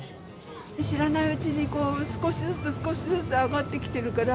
知らないうちに少しずつ少しずつ上がってきてるから。